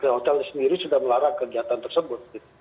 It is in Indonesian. karena hotel sendiri sudah melarang kegiatan tersebut